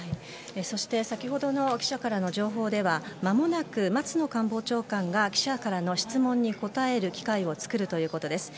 そして先ほどの記者からの情報ではまもなく松野官房長官が記者からの質問に答える機会を作るということです。